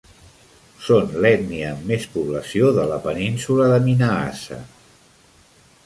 Són l'ètnia amb més població de la península de Minahassa.